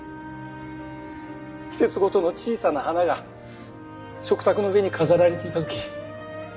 季節ごとの小さな花が食卓の上に飾られていたとき。